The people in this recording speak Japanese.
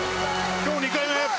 今日２回目！